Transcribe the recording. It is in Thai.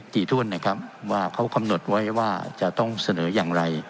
ถ้วนนะครับว่าเขากำหนดไว้ว่าจะต้องเสนออย่างไร